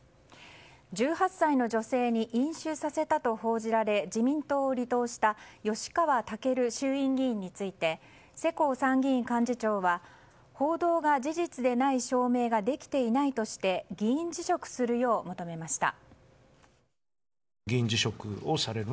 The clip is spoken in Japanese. １８歳の女性に飲酒させたと報じられ自民党を離党した吉川赳衆院議員について世耕参議院幹事長は報道が事実でない証明ができていないとして議員辞職するよう求めました。